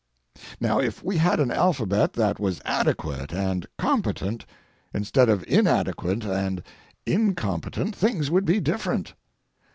Now, if we had an alphabet that was adequate and competent, instead of inadequate and incompetent, things would be different.